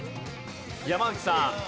山内さん。